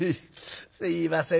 「すいません